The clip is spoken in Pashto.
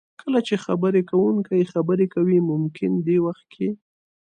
کله چې خبرې کوونکی خبرې کوي ممکن دې وخت کې